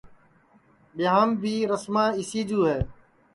ٻیاں بھی رسما اِسی جو ہے